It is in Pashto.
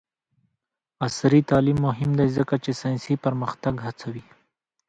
عصري تعلیم مهم دی ځکه چې ساینسي پرمختګ هڅوي.